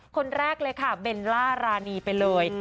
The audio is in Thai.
คนแรกเลยค่ะเบลล่ารานีไปเลย